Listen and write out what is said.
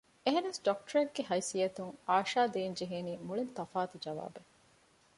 އެހެނަސް ޑޮކްޓަރެއްގެ ހައިސިއްޔަތުން އާޝާ ދޭން ޖެހޭނީ މުޅިން ތަފާތު ޖަވާބެއް